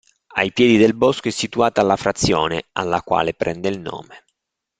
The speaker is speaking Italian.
Ai piedi del bosco è situata la frazione, alla quale prende il nome.